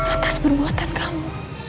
atas perbuatan kamu